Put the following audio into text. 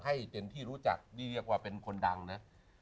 ให้บริเวณที่รู้จักดีเรียกว่าเป็นคนดังนะ